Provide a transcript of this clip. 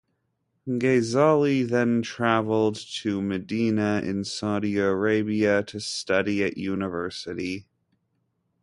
Ghezali then traveled to Medina in Saudi Arabia to study at the university.